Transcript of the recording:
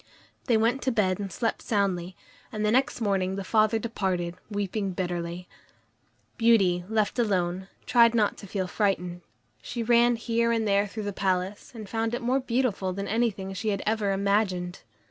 They went to bed and slept soundly, and the next morning the father departed, weeping bitterly. Beauty, left alone, tried not to feel frightened. She ran here and there through the palace, and found it more beautiful than anything she had ever imagined.